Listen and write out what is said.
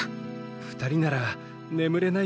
２人なら眠れない